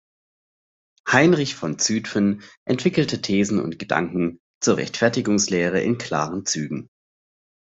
Heinrich von Zütphen entwickelte Thesen und Gedanken zur Rechtfertigungslehre in klaren Zügen.